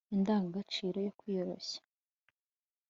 indangagaciro yo kwiyoroshya